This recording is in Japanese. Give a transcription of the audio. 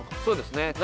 そうですね。